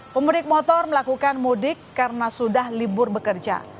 pemudik motor melakukan mudik karena sudah libur bekerja